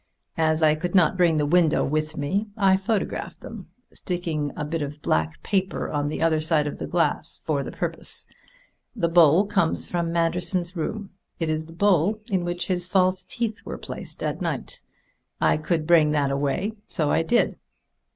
As I could not bring the window with me, I photographed them, sticking a bit of black paper on the other side of the glass for the purpose. The bowl comes from Manderson's room. It is the bowl in which his false teeth were placed at night. I could bring that away, so I did."